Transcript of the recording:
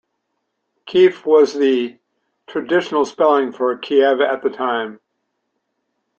Kief was the traditional spelling for Kiev at the time.